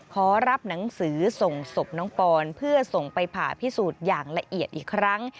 ขอรับหนังสือส่งศพน้องปอนเพื่อส่งไปผ่าพิสูจน์อย่างละเอียดอีกครั้ง